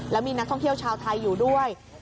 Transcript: แล้วมีนักท่องเที่ยวชาวไทยอยู่ด้วย